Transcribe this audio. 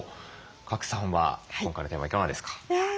賀来さんは今回のテーマいかがですか？